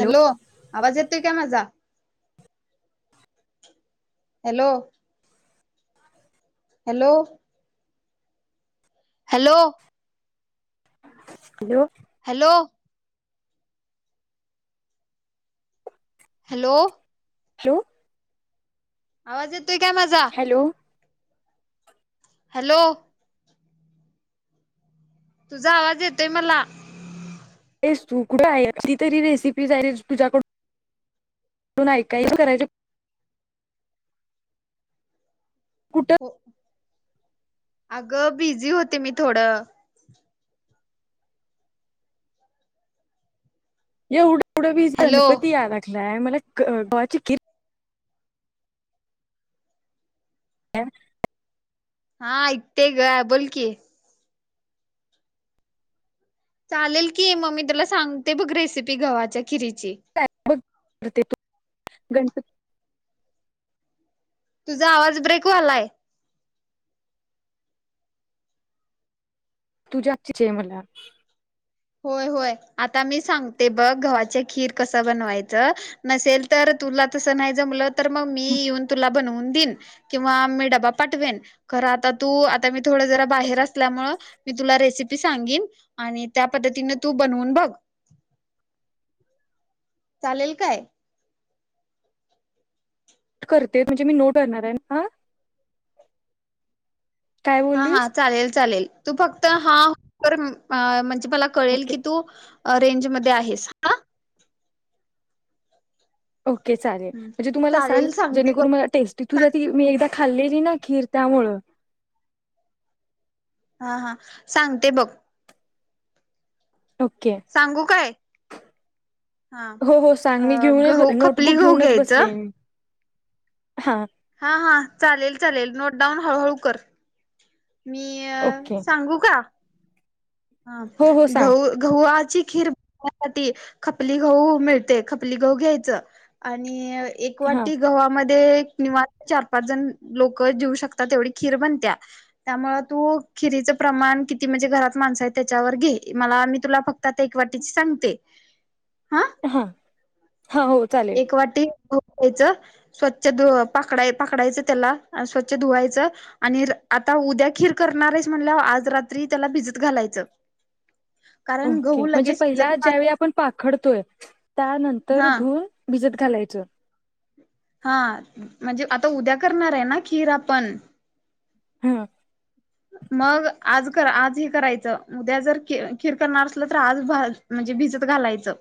Hello आवाज येत तुय कमा जा hello hello hello hello hello hello क्यू आवाज य तु काय मझा हॅलो हॅलो तुझा आवाज येतोय मला तेस तू कुठं आहे की तरी रेसिपी आहे तुझ्याकडूनून ऐकाय करायची कुठं हो अगं बिझी होते मी थोडं एवढं पुढं वी हॅलो गणपती याला नाही मला गवाची कि ह हा इे ग बोलकीि चालेल की मग मी तुला सांगते बघ रेसिपी गवाचे ते तू गणपती तुझा आवाज ब्रेकवालाय तू जातची मेला होय होय. आता मी सांगते बघ गव्हाचे खीर कस बनवायचं? नसेल तर, तुला तसं नाही जमलं तर, मग मी येऊन तुला बनऊन देईन किंवा मी डबा पाठवेन. खर आता तू आता मी थोड जरा बाहेर असल्यामुळे, मी तुला रेसिपी सांगेन आणि त्या पद्धतीने तू बनवून बघ. चालेल काय? करते, म्हणजे मी नोट करणार आहे हा. काय हा हा, बोललीस चालेल चालेल. तू फक्त हा, कर म्हण जे मला कळेल ओके की तू रेंजमध्ये आहेस हा. ओके चालेल. म्हणजे तु मला सांग चालेल सांगते जेणेकरून बघ मला टेस्ट ती तुझ्या हात मी एकदा खाल्लेली ना खीर त्यामुळ. हा हा, सांगते बघ. ओके सांगू काय? हा हो हो सांग. अ मी गहू घेऊन खपली नोटबुक गहू घेऊनच बसली घ्यायचं आहे मी. हा, हा हा, चालेल चालेल. नोट डाऊन हळूहळू कर. मी ओके सांगू का? हा हो हो सांग गहू गहू आध ती खीर बनवण्यासाठी खपली गहू मिळते. खपली गहू घ्यायच आणि एक हा वाटी गव्हामध्ये ते एक निवांत चार पाच जण लोक जेऊ शकतात, तेवढी खीर बनत्या. त्यामुळे तू खिरीच प्रमाण किती? म्हणजे घरात माणसं आहेत ते त्याच्यावर घे. मला मी तुला फक्त आता एक वाटीची सांगते. हा. हां, हो चालेल. एक वाटी गहू घ्यायचं स्वच्छ धू पाखडा पाखडायच त्याला. स्वच्छ धुवायचं आणि रा आता उद्या खीर करणार आहेस म्हणल्याव आज रात्री त्याला भिजत घालायचं. कारण ओके. गहू म्हणजे लगेच शिजत पहिला ज्यावेळी नाही आपण पाखडतोय त्यानंतर हा धुवून भिजत घालायचं? हा. म्हणजे आता उद्या करणार आहे ना खीर आपण, हं. मग आज कर आज हे करायचं उद्या जर खी खीर करणार असलं तर, आज भाज म्हणजे भिजत घालायचं.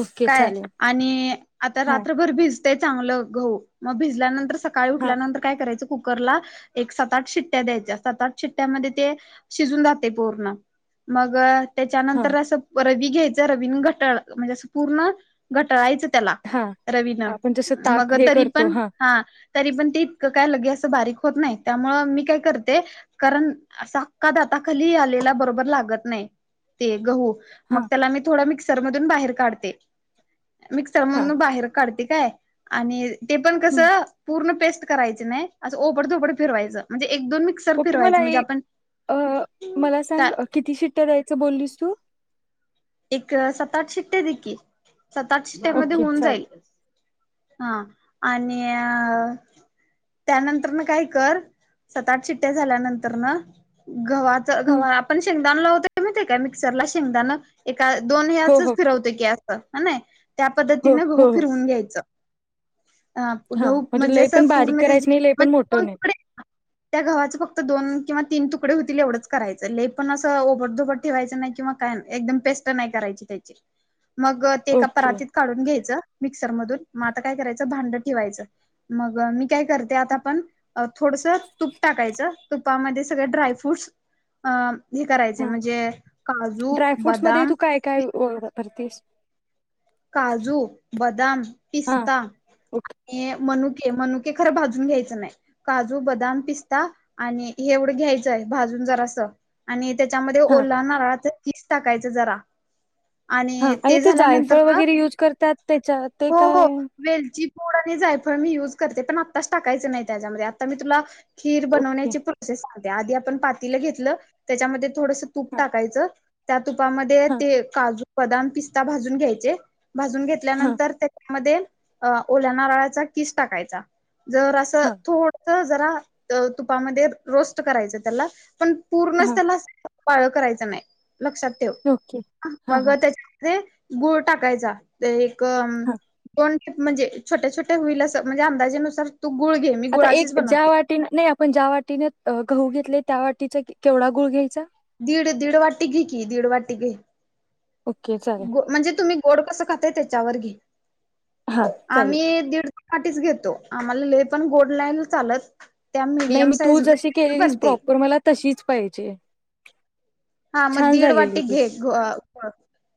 ओके काय चालेल. आणि आता हां, रात्रभर भिज ते चांगलं गहू. मग भिजल्यानंतर सकाळी हां, उठल्यानंतर काय करायचं? कु ककरला एक सात आठ शिट्ट्या द्यायच्या सात आठ शिट्ट्यामध्ये ते शिजून जाते पूर्ण मग हां, त्याच्यानंतर असं र. घ्यायच रवीन घटळ म्हणजे पूर्ण घटळायचं. त्याला हां. रवीन आपण जसं मग ताक हे तरी करतो. पण हां, हा. तरी पण ते इतकं काय लगे असं बारीक होत नाही त्यामुळ मी काय करते कारण असा अख्खा दाताखाली आलेला बरोबर लागत नाही ते गहू. मग हां, त्याला मी थोडं मिक्स सरमधून बाहेर काढ. ते. मिक्सर हां. मधून बाहेर काढते. काय आणि ते पण हं. कसं पूर्ण पेस्ट. करायच नाही असं ओपड धोबड फीरवायचं म्हणजे एक दोन मिक्सर ओके मला फिरवायचं म्हणजे एक आपण अ मला सांग किती शिट्ट्या द्यायचं बोललीस तू. एक सात आठ शिट्ट्या दि की सात आठ शिट्ट्या मध्ये ओके होऊन चालेल. जाईल. हा आणि त्यानंतर न काय कर सात आठ शिट्ट्या झाल्यानंतर न गव्हाच हं. गव्हा आपण शेंगदाण लावतोय मग ते. मिक्सर ला शेंगदाणा दोनही हो, अससच हो. फिरवते की ह. त्या हो, पद्धतीनं गह हो, हो. फिरवून घ्यायचं. अ हां, गह म्हणजे लय अस पण बारीक पूर्ण ज करायचं नाही, लय पण मोठं नाही. तुकडे त्या गव्हाच फक्त दोन किंवा तीन तु होतील एवढं करायचं लई पण असं ओबडधोबड ठेवायचं नाही किंवा काय एकदम. पेस्ट नाही करायची त्याची मग ते एका ओके. परातीत काढून घ्यायचं. मिक्सर मधून मग आता काय करायचं भांड ठेवायचं मग मी काय करते आता आपण थोडस तूप टाकायचं तुपामध्ये सगळ ड्रायफ्रूटस अ हे करायचे म्हणजे काजू बद म तू काय काय? भरतेस. काजू बदाम हां, पिस्ता ओके. आणि मनु मणके खर भाजून घ्यायचं नाही काजू बदाम पिस्ता आणि हे एवढं घ्यायचंय भाजून जरा असं आणि त्याच्यामध्ये हां. ओला नारळ. कीस टाकायचं जरा आणि ते झाल्यानंतर गैरे युज करतात त्याच्या ते हो हो काय वेलची मोडा नाही जाय प मी युज करते पण आत्ताच टाकायचं नाही त्याच्यामध्ये आता मी तुला खीर ओके बनवण्याची प्रोसेस आधी आपण पातीला घेतलं त्याच्यामध्ये थोडस तूप हा टाकायचं तब तुपामध्ये हा ते काजू बदाम पिस्ता भाजून घ्यायचे भाजून हा घेतल्यानंतर मध्ये अ ओल्याना रळाचा किस टाकायचा जर असं हा थोड जरा तुपामध्ये रोस्ट करायच त्याला पण पूर्णच हा त्याला पाळ करायचा नाही लक्षात ठेव ओके हा मग हा त्याच्यामध्ये गूळ टाकायचा ते एक ह दोन म्हणजे छोट्या छोटे होईल म्हणजे अंदाजेनुसार तू गुळ घे मी आता गुळाचीच एक ज्या बनवते. वाटीने नाही आपण ज्या वाटीने गहू घेतले त्या वाटीचा केवढा गुळ घ्यायचा दीड दीड वाटी घ की दीड वाटी ग ओके चालेल म्हणजे तुम्ही कोड कसं खातय त्याच्यावर घे हा चालेल आम्ही दीड पाठीच घेतो आम्हाला लेह पण गोड लाला चालत त्या नाही मीडियम मी तू साईज जशी केलीस बनते प्रॉपर मला तशीच पाहिजे हा मग छान दीड वाटी झालेली ती घे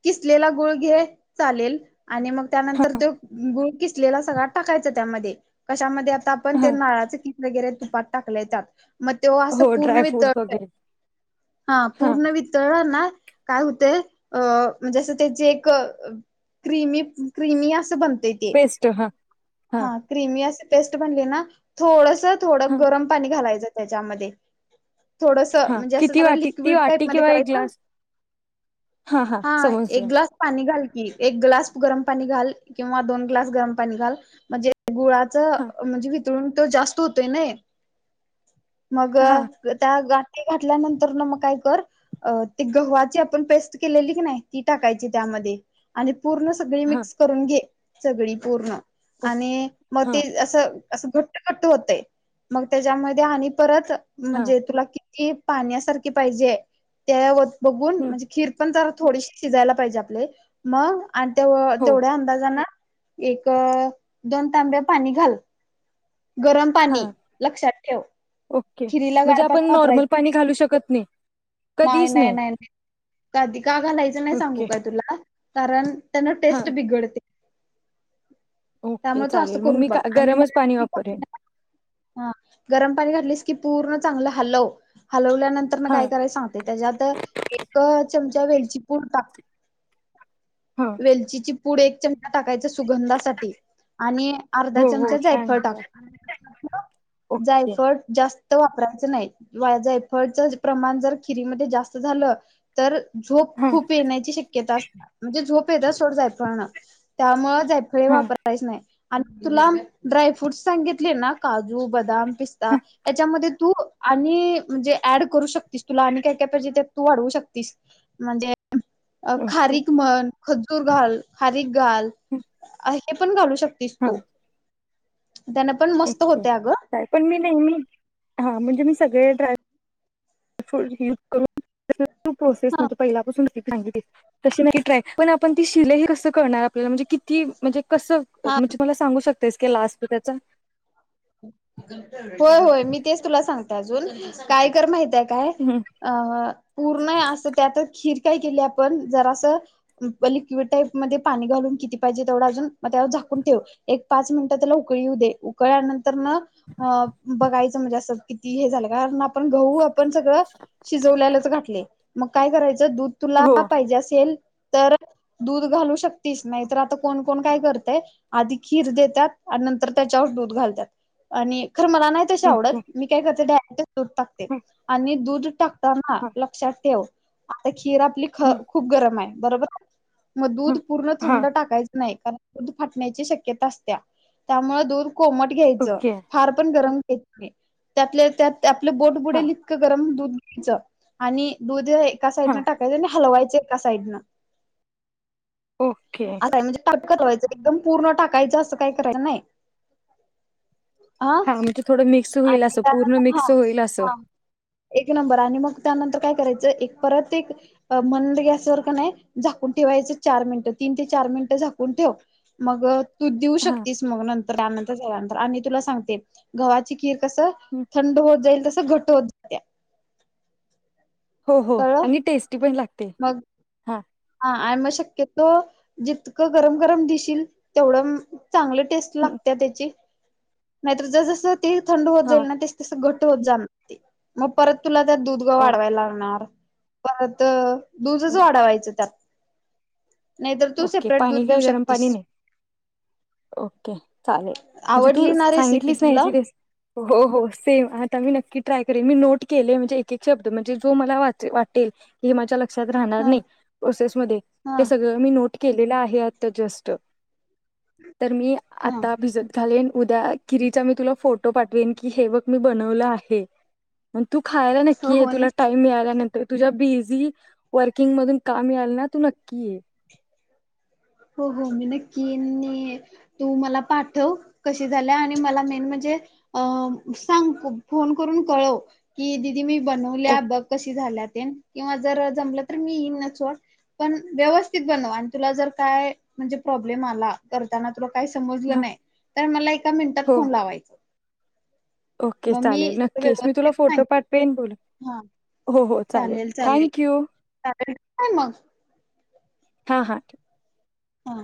किसलेला गुळघे चालेल आणि मग त्यानंतर तो गु कसलेला सगळा टाकायच त्यामध्ये कशामध्ये आता आपण हा त्या नाळाचं वगैरे तुपात टाकल्या य त्याात मग तेव असं हो पूर्ण वितळ ड्रायफ्रूट्स आहे वगैरे हा पूर्ण वितरणना काय होते अ म्हणजे असं त्याची एक क्रिमी क्र्रीमी असं बनत वेस्ट हा हा क्रिमी असे पेस्ट बनली ना थोडंस स थोडं हा गरम पाणी घालायचं त्याच्यामध्ये थोडसं हा म्हणजे असं किती जरा वाटी ती लिक्विड टाईप वाटी मध्ये किंवा एक करायचं ना ग्लास हा एक ग्लास पाणी घाल क एक ग्लास गरम पाणी घाल किंवा दोन ग्लास गरम पाणी घाल म्हणजे गुळाचं हा म्हणजे तळून तो जास्त होतोय ना हे मग, हा त्या गा घातल्यानंतर ना मग काय कर ते गव्हाची आपण पेस्ट केलेली की नाही, ती टाकायची त्यामध्ये आणि पूर्ण सगळी हा मिक्स करून घे सगळी, पूर्ण ओ आणि मग ते हा असं असं घट्ट घट्ट होतय मग त्याच्यामध्ये आणि परत हा म्हणजे हम्म तुला ते पाण्यासारखे पाहिजे त्या बघून म्हणजे खीर, पण जर थोडीशी शिजायला पाहिजे आपले मग आणि तेव हो तेवढ्या अंदाजान एक अ अ दोन तांब्या पाणी घाल गरम पाणी हां लक्षात ठेव ओके खिरीला गार म्हणजे पाणी आपण नॉर्मल पाणी वापरायचं घालू शकत नाही नाही, नाही नाही नाही काधीक का घालायचं नाही सांगु ओके काय तुला कारण त्यांन हां टेस्ट बिघडते ओके त्यामुळे तू असं चालेल मग करून मी बघ का आणि गरमच पाणी मग वापर हा गरम पाणी घातलेस की पूर्ण चांगलं हलव हलव त्याच्यानंतर न हां काय करायच सांगते त्याज्यात चमचा वेलचीपूर टाक हां वेलचीची. पुढ एक चमचा टाकायचा. सुगंधासाठी आणि अर्धा हो हो चमचा छान जायफळ टाक. हो, ओके जायफड जास्त. वापरायचं नाही. वा जायफळच प्रमाण जर खिरीमध्ये जास्त झालं तर झोप हां खूप येण्याची शक्यता असत म्हणजे झोप प ोड जायळ ना त्यामुळे जायफळे हां वापरायच नाही. आणि तुला ड्राय फ्रूटस. सांगितले ना काजू, बदाम. पिस्ता हां त्याच्यामध्ये तू आणि म्हणजे ऍड करू शकतीस तुला आणि काय काय पाहिजे ते तू वाढवू शकतीस म्हणजे अ ओके खारीिक म्हण. खजूर घाल. खारीक. घल. अ पण घालू शकता. तीस तू. हां त्यान पण मस्त ओके होते अगं काय पण मी नेहमी हा म्हणजे मी सगळे ह. फ्रुट युज करून. ू प्रोसेस हा म्हणजे पहिलापासून. सांगित तशी मी ट्राय, पण आपण ती शिले हे कसं करणार आपल्याला? म्हणजे किती? म्हणजे कसं? हा म्हणजे मला सांगू शक तेच का लास् त्याच. होय होय मी तेच तुला सांगते अजून काय कर माहिित आहे. हम्म, का पूर्ण अस त्या का केली आपण जरा असं लिक्विड टाईप मध्ये पाणी घालून किती पाहिजे तेवढा अजून म त्या झाकून ठेव एक पाच मिनिटं त्याला उकळीू दे उकळल्यानंतर बघायच म्हणजे अस किती हे झालं कारण आपण गहू आपण सगळ शिजवल्यालच घालि मग काय करायच? दूध तुला हो पाहिजे असेल तर दूध घालू शकतेच. नाही तर आता कोण कोण काय करतेय आधी खीर देतात आणि नंतर त्याच्यावर दूध घालतात. आणि खर मला नाही तशी ओके आवडत मी काय करते ड दूर टाकते हां आणि दुध तक [inaudible] ना लक्षात ठेव आ कीर आपली ख हां खूप गरम आहे बरोबर मग हां दूध पूर्ण हां थंड टाकायचं नाही दूध फाटण्याची शक्यता असत त्यामुळे दूध कोमट ओके फार पण गरम त्याल्या त्यात ते आपलं बोट हां बुडेल इतं गरम दूध आणि दूध एका साइड न हां टाकाय हलवाई का साईड ना ओके आता म्हणजे कडवायचं एकदम पूर्ण टाकायचं असं काही करायच नाही हा म्हणजे थोडं मिक्स होईल आणि असं पूर्ण त्यानंतर हा मिक्स होईल अस हा एक नंबर आणि मग त्यानंतर काय करायचं एक परत एक म गॅसवरर का नाही झाकून ठेवायचं चार मिनिट तीन ते चार मिनिटं झाकून ठेव मग तू देऊ हां शकतेस मग नंतर त्यानंतर झाल्यानंतर आणि तुला सांगते गव्हाची खीर कस हं, थंड होत जाईल तस घट होत जाते हो हो आणि टेस्टी पण लागते ह [inaudible] हां हा आणि मग शक्यतो जितकं गरम गरम दिशील तेवढं चांगली टेस्ट हं, लागते त्याची नाहीतर ज जस ते थंड होत हां जाईल ना ते तस तस हो मग परत तुला त्या दूध ग ओ वाढवाय लागणार परत दुधच हं, वाढवायचं त ओके पाणी काय गरम पाणी नाही ओके चालेल म्हणजे तू आवडली ना रेसिपी सांगितलीस ना तुला याची रेस हो हो सेम आता मी नक्की ट्राय करेन मी नोट केले म्हणजे एक एक शब्द म्हणजे जो मला वाटेल हे माझ्या लक्ष लक्षात राहणार हा नई प्रोसेस मधे हा ते सगळं मी केलेला आहे आता जस्ट तर मी हा आता भिजत घालेन उद्या किरीचा मी तुला फोटो पाठवेन की हे बघ मी बनवलं आहे मग तू खायला हो नक्की आहे हो तुला नक्की टाइम मिळालांत तुझ्या बिझी वर्किंग मधून काम याल ना तू नक्की ये हो हो मी नक्की तू मला पाठव कशी झाल्या आणि मला मेन म्हणजे सांग फोन करून कळव की क मी बनवल्या बघ कशी झाल्यात किंवा जर जमल तर मी येईन न चड पण व्यवस्थित बन आणि तुला जर काय म्हणजे प्रॉब्लेम आला करताना त काही समजलं ओके नाही तर मला एका मिनिटात हो फोन लावायच ओके चालेल नक्कीच मी तुला व्यवस्थित फोटो सांगेन पाठवेन बला हा हो हो चालेल थँक यू मग हा हा हा